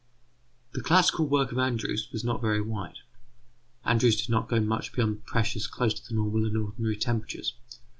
The classical work of Andrews was not very wide. Andrews did not go much beyond pressures close to the normal and ordinary temperatures.